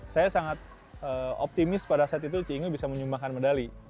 saya sangat optimis pada saat itu cinge bisa menyumbangkan medali